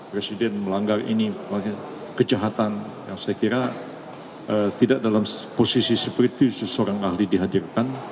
presiden melanggar ini kejahatan yang saya kira tidak dalam posisi seperti seseorang ahli dihadirkan